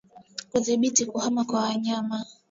Kudhibiti kuhama kwa wanyama